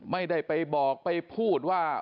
ไม่ได้ไปบอกไปพูดว่า